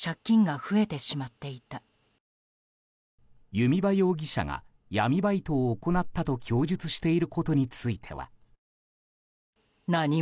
弓場容疑者が闇バイトを行ったと供述していることについては。